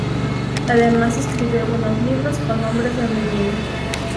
Además, escribió algunos libros con nombre femenino.